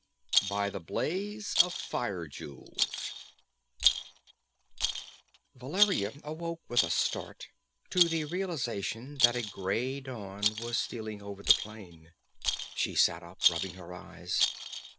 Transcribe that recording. By the Blaze of the Fire Jewels_ Valeria awoke with a start, to the realization that a gray dawn was stealing over the plain. She sat up, rubbing her eyes.